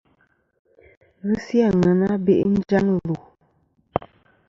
Visi àŋena be'i njaŋ lù.